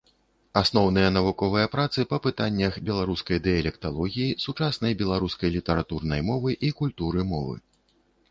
Асноўныя навуковыя працы па пытаннях беларускай дыялекталогіі, сучаснай беларускай літаратурнай мовы і культуры мовы.